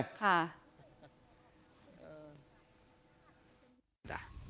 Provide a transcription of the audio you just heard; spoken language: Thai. ค่ะ